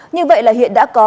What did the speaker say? như vậy là hiện đã có